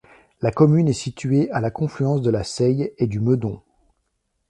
La commune est située à la confluence de la Saye et du Meudon.